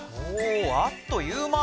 おあっという間。